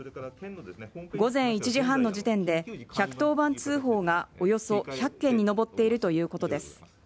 午前１時半の時点で１１０番通報がおよそ１００件に上っているということです。